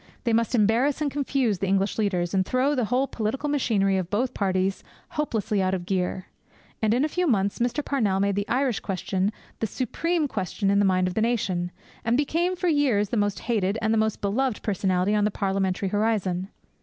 They must embarrass and confuse the English leaders, and throw the whole political machinery of both parties hopelessly out of gear. And in a few months Mr. Parnell made the Irish question the supreme question in the mind of the nation, and became for years the most hated and the most beloved personality on the parliamentary horizon.